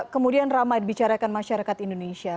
kemudian ramai dibicarakan masyarakat indonesia